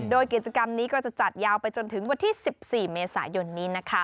โดยกิจกรรมนี้ก็จะจัดยาวไปจนถึงวันที่๑๔เมษายนนี้นะคะ